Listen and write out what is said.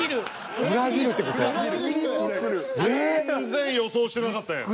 全然予想してなかったんや。